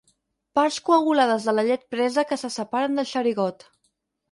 Parts coagulades de la llet presa que se separen del xerigot.